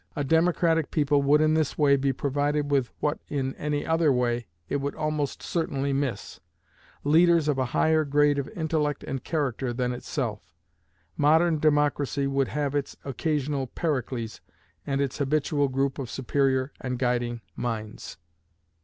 A democratic people would in this way be provided with what in any other way it would almost certainly miss leaders of a higher grade of intellect and character than itself. Modern democracy would have its occasional Pericles, and its habitual group of superior and guiding minds.